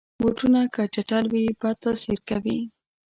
بوټونه که چټل وي، بد تاثیر کوي.